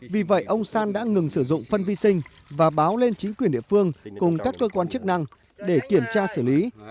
vì vậy ông san đã ngừng sử dụng phân vi sinh và báo lên chính quyền địa phương cùng các cơ quan chức năng để kiểm tra xử lý